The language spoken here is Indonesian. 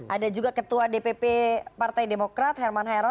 ada juga ketua dpp partai demokrat herman hero